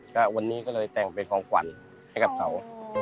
ก็วันนี้ก็เลยแต่งเป็นของขวัญให้กับเขา